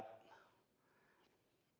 terobosan terobosan seperti ini